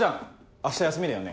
明日休みだよね。